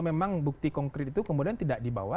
memang bukti konkret itu kemudian tidak dibawa